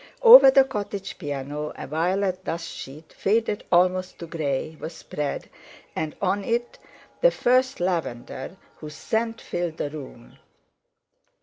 Over the cottage piano a violet dust sheet, faded almost to grey, was spread, and on it the first lavender, whose scent filled the room.